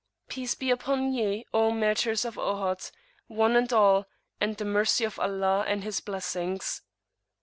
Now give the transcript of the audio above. Peace be upon Ye, O Martyrs of Ohod! One and All, and the Mercy of Allah and His Blessings."